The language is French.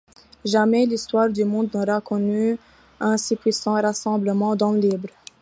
Jamais l'histoire du monde n'aura connu un si puissant rassemblement d'hommes libres.